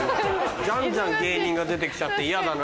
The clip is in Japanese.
じゃんじゃん芸人が出て来ちゃって嫌だな。